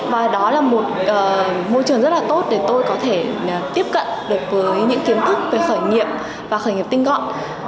và đó là một môi trường rất là tốt để tôi có thể tiếp cận được với những kiến thức về khởi nghiệp và khởi nghiệp tinh gọn